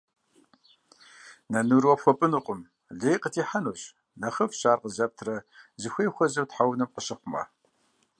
Нынур уэ пхуэпӀынукъым, лей къытехьэнущ. НэхъыфӀщ ар къызэптрэ зыхуей хуэзэу тхьэунэм къыщыхъумэ.